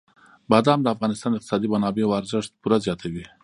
بادام د افغانستان د اقتصادي منابعو ارزښت پوره زیاتوي.